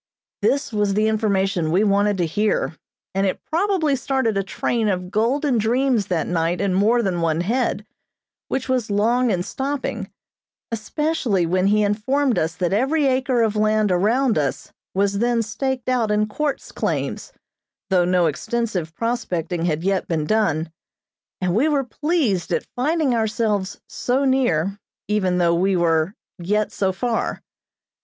This was the information we wanted to hear, and it probably started a train of golden dreams that night in more than one head, which was long in stopping, especially when he informed us that every acre of land around us was then staked out in quartz claims, though no extensive prospecting had yet been done, and we were pleased at finding ourselves "so near" even though we were "yet so far."